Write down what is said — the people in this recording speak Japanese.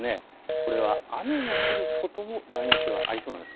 これは雨の降ることも、場合によってはありそうなんです。